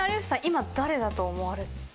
今誰だと思われて。